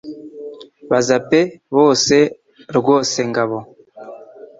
Baraza pe bose rwosengabo